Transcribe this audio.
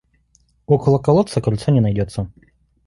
Около колодца кольцо не найдется.